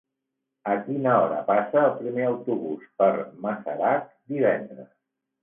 A quina hora passa el primer autobús per Masarac divendres?